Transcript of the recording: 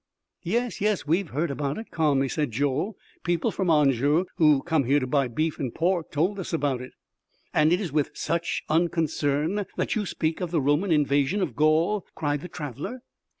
"Yes, yes; we have heard about it," calmly said Joel. "People from Anjou, who came here to buy beef and pork, told us about it." "And it is with such unconcern that you speak of the Roman invasion of Gaul?" cried the traveler.